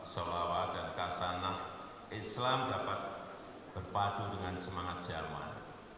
sholawat dan kasanak islam dapat berpadu dengan semangat zaman